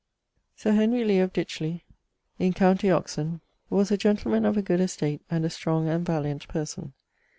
Sir Henry Lee of Ditchley in com. Oxon was a gentleman of a good estate, and a strong and valiant person.